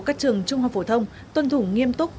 các trường trung học phổ thông tuân thủ nghiêm túc